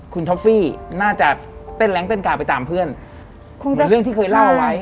คุณท็อฟฟี่น่าจะเต้นแรงเต้นกาไปตามเพื่อนเหมือนเรื่องที่เคยเล่าเอาไว้